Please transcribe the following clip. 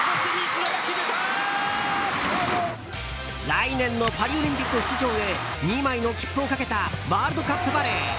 来年のパリオリンピック出場へ２枚の切符をかけたワールドカップバレー。